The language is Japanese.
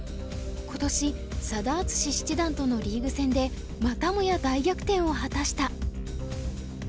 今年佐田篤史七段とのリーグ戦でまたもや大逆転を果たした。